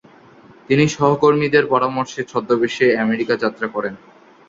তিনি সহকর্মীদের পরামর্শে ছদ্মবেশে আমেরিকা যাত্রা করেন ।